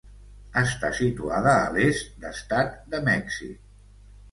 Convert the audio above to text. Està situada a l'est d'Estat de Mèxic.